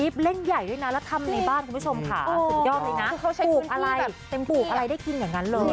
บนหลังก็ทิ้วข้าวไปไปบ้านเขาเลย